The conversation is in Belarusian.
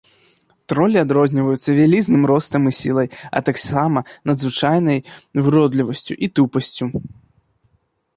Тролі адрозніваюцца вялізным ростам і сілай, а таксама надзвычайнай выродлівасцю і тупасцю.